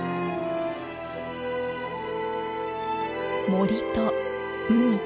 森と海。